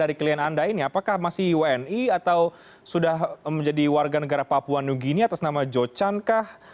dari klien anda ini apakah masih wni atau sudah menjadi warga negara papua new guinea atas nama jocan kah